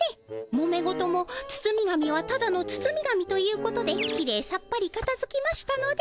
もめ事もつつみ紙はただのつつみ紙ということできれいさっぱりかたづきましたので。